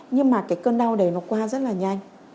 nhưng mà cái cơn đau đấy nó qua rất là nhanh